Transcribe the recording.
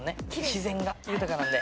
自然が豊かなんで。